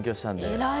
偉い。